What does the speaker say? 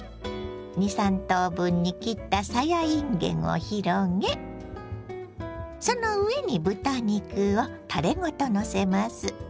２３等分に切ったさやいんげんを広げその上に豚肉をたれごとのせます。